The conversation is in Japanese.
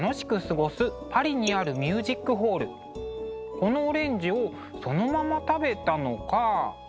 このオレンジをそのまま食べたのか。